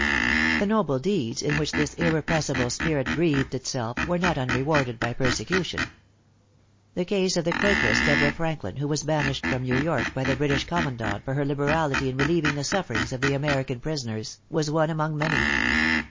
The noble deeds in which this irrepressible spirit breathed itself, were not unrewarded by persecution. The case of the quakeress Deborah Franklin, who was banished from New York by the British commandant for her liberality in relieving the sufferings of the American prisoners, was one among many.